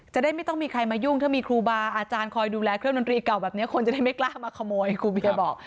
จะได้ไม่ต้องมีใครมายุ่งถ้ามีครูบาอาจารย์คอยดูแลเครื่องดนตรีเก่าแบบนี้คนจะได้ไม่กล้ามาขโมยครูเบียบอก